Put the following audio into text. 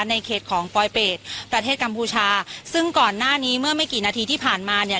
ในเขตของปลอยเป็ดประเทศกัมพูชาซึ่งก่อนหน้านี้เมื่อไม่กี่นาทีที่ผ่านมาเนี่ย